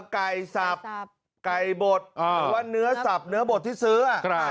ไก่สับไก่บดหรือว่าเนื้อสับเนื้อบดที่ซื้อ